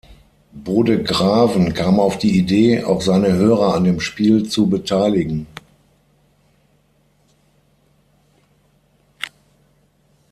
Bodegraven kam auf die Idee, auch seine Hörer an dem Spiel zu beteiligen.